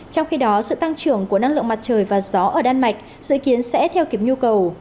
trong khi đó sự tăng trưởng của năng lượng mặt trời và gió ở đan mạch dự kiến sẽ theo kịp nhu cầu